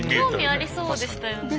興味ありそうでしたよね。